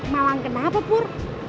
malang kenapa pur